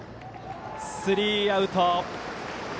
スリーアウト。